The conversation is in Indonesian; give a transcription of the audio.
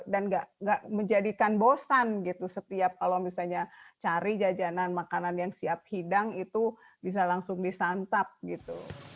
dan gak menjadikan bosan gitu setiap kalau misalnya cari jajanan makanan yang siap hidang itu bisa langsung disantap gitu